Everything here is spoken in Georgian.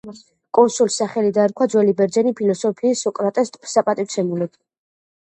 კონსოლს სახელი დაერქვა ძველი ბერძენი ფილოსოფოსის, სოკრატეს საპატივცემულოდ.